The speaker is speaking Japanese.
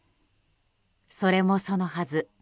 それもそのはず